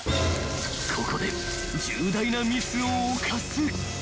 ［ここで重大なミスを犯す］